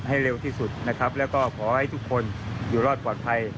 ให้เร็วที่สุดนะครับแล้วก็ขอให้ทุกคนอยู่รอดปลอดภัย